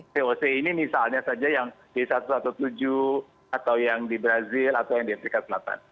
voc ini misalnya saja yang b satu ratus tujuh belas atau yang di brazil atau yang di afrika selatan